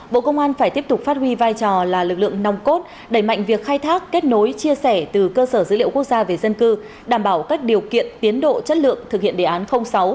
bộ công an phải tiếp tục phát huy vai trò là lực lượng nòng cốt đẩy mạnh việc khai thác kết nối chia sẻ từ cơ sở dữ liệu quốc gia về dân cư đảm bảo các điều kiện tiến độ chất lượng thực hiện đề án sáu